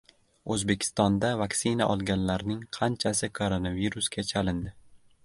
O‘zbekistonda vaksina olganlarning qanchasi koronavirusga chalindi?